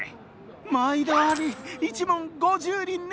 毎度あり１文５０厘ね。